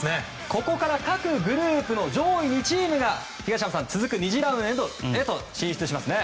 ここから各グループの上位２チームが続く２次ラウンドへと進出しますね。